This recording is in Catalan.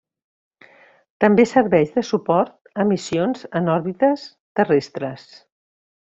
També serveix de suport a missions en òrbites terrestres.